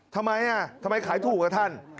ทำไมทำไมขายถูกอ่ะท่าน